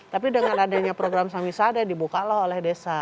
tapi dengan adanya program samisade dibuka loh oleh desa